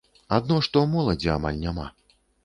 Адно што, моладзі амаль няма.